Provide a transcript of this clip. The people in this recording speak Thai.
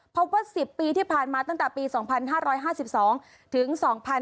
พบว่า๑๐ปีที่ผ่านมาตั้งแต่ปี๒๕๕๒ถึง๒๕๕๙